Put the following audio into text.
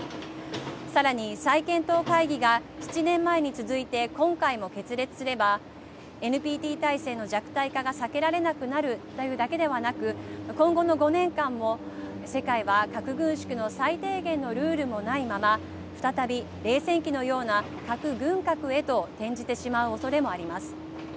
さらに、再検討会議が７年前に続いて今回も決裂すればＮＰＴ体制の弱体化が避けられなくなるだけではなく今後の５年間も世界は核軍縮の最低限のルールもないまま再び、冷戦期のような核軍拡へと転じてしまうおそれもあります。